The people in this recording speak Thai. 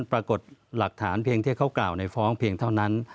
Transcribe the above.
ปรากฏหลักฐานเพียงที่เขากล่าวในฟ้องเพียงเท่านั้น